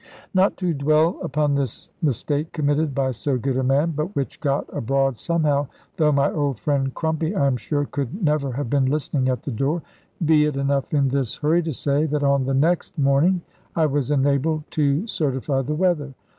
Not to dwell upon this mistake committed by so good a man, but which got abroad somehow though my old friend Crumpy, I am sure, could never have been listening at the door be it enough in this hurry to say, that on the next morning I was enabled to certify the weather.